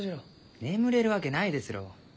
眠れるわけないですろう。